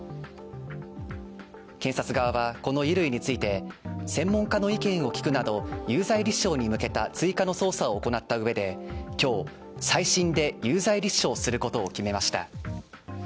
検察側は、この衣類について、専門家の意見を聞くなど有罪立証に向けた追加の捜査を行ったうえで、今日、再審で有罪立証することを決めました。